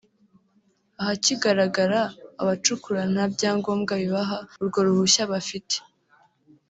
ahakigaragara abacukura nta byangombwa bibaha urwo ruhushya bafite